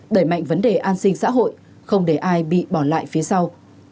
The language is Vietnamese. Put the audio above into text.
đẩy mạnh vấn đề an sinh xã hội không để ai bị bỏ lại phía sau